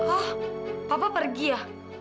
oh papa pergi ya